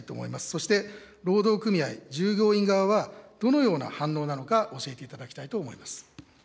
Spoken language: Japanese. そして労働組合、従業員側はどのような反応なのか、教えていただきたいと思います。